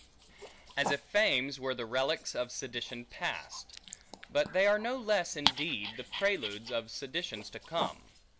As if fames were the relics of seditions past; but they are no less, indeed, the preludes of seditions to come.